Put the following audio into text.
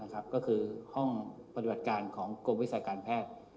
ก็คือห้องปฏิบัติการของกรมวิชาการแพทย์